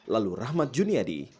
lalu rahmat juniadi